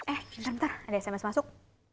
eh bentar bentar ada sms masuk